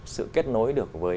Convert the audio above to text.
sự kết nối được với